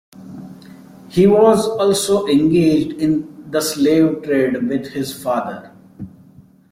He was also engaged in the slave trade with his father.